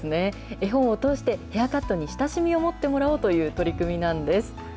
絵本を通して、ヘアカットに親しみを持ってもらおうという取り組みなんです。